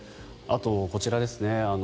あと、こちらですね